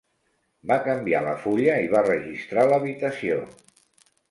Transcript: Va canviar la fulla i va registrar l'habitació.